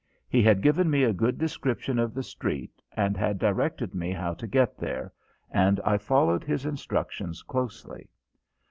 He had given me a good description of the street and had directed me how to get there, and I followed his instructions closely.